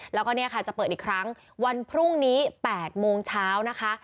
แล้วก็เนี่ยค่ะจะเปิดอีกครั้งวันพรุ่งนี้๘โมงเช้านะคะ